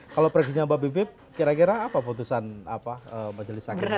kalau prediksinya mbak bebe kira kira apa keputusan majelis sakit yang tadi